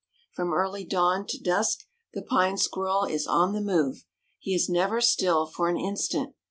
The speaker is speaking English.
From early dawn to dusk the Pine Squirrel is on the move. He is never still for an instant.